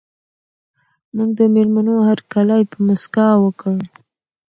موږ د مېلمنو هرکلی په مسکا وکړ.